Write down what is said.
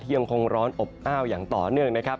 ยังคงร้อนอบอ้าวอย่างต่อเนื่องนะครับ